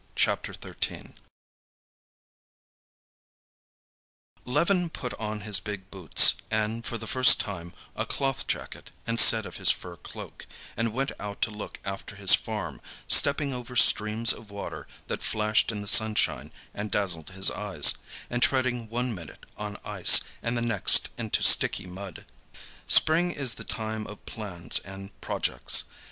Chapter 13 Levin put on his big boots, and, for the first time, a cloth jacket, instead of his fur cloak, and went out to look after his farm, stepping over streams of water that flashed in the sunshine and dazzled his eyes, and treading one minute on ice and the next into sticky mud. Spring is the time of plans and projects.